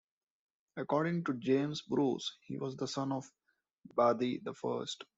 According to James Bruce, he was the son of Badi the First.